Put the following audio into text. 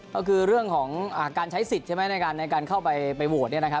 ก็คือเรื่องของการใช้สิทธิ์ใช่ไหมในการเข้าไปโหวต